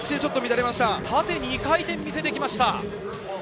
縦２回転を見せてきました。